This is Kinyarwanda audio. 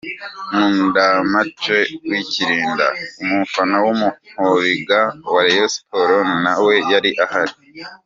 Nkundamacewikirinda, Umufana w’umu-hooligan wa Rayon Sports na we yari ahari